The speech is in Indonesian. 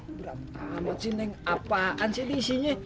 berapa amat sih neng apaan sih ini isinya